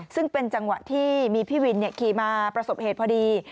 ซึ่งเป็นจังหวะที่มีพี่วินขี่มาประสบเหตุพอดี